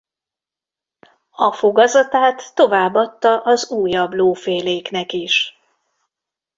A fogazatát tovább adta az újabb lóféléknek is.